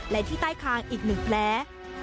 และที่ใต้คางอีก๑แผล